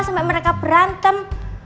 sampai mereka berantem